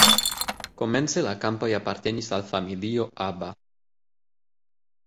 Komence la kampoj apartenis al familio Aba.